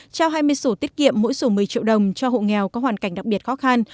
trao hai mươi sổ tiết kiệm mỗi sổ một mươi triệu đồng cho hộ nghèo có hoàn cảnh đặc biệt khó khăn